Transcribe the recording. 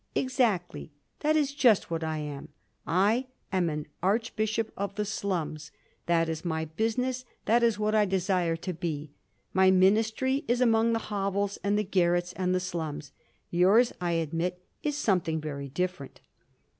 "Exactly; that is just what I am. I am an archbishop of the. slums; that is my business; that is what I desire to be. My ministry is among the hovels and the garrets and the slums ; yours, I admit, is some thing very different."